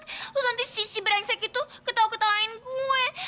terus nanti si si berensek itu kata lo ketawain gue